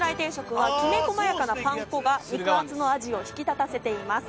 きめ細やかなパン粉が肉厚のアジを引き立たせています。